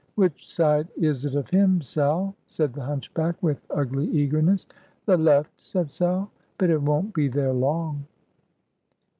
"Which side is it of him, Sal?" said the hunchback, with ugly eagerness. "The left," said Sal; "but it won't be there long."